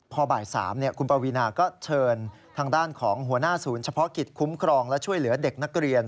พอบ่าย๓คุณปวีนาก็เชิญทางด้านของหัวหน้าศูนย์เฉพาะกิจคุ้มครองและช่วยเหลือเด็กนักเรียน